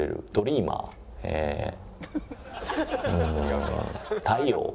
うん太陽？